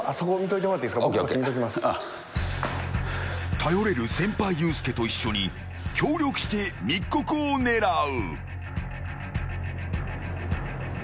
頼れる先輩、ユースケと一緒に協力して密告を狙う。